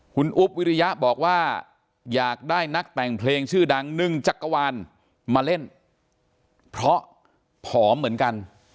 คุณอุ๊บวิริยะบอกว่าอยากได้นักแต่งเพลงชื่อดังหนึ่งจักรวาลมาเล่นเพราะผอมเหมือนกัน